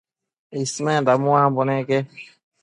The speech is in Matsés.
Ismenda muambo neque